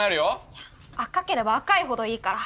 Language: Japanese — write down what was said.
いや赤ければ赤いほどいいから。